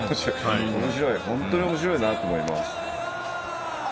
本当におもしろいなと思います。